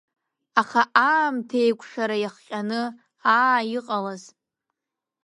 Аха аамҭеикәшара иахҟьаны аа иҟалаз…